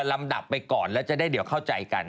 ลำดับไปก่อนแล้วจะได้เดี๋ยวเข้าใจกัน